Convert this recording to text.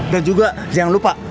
dan juga jangan lupa